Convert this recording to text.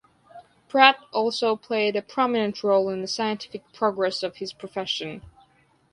Pratt also played a prominent role in the scientific progress of his profession.